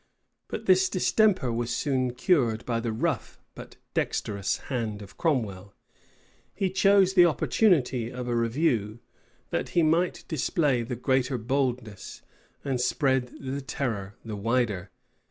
But this distemper was soon cured by the rough but dexterous hand of Cromwell. He chose the opportunity of a review, that he might display the greater boldness, and spread the terror the wider.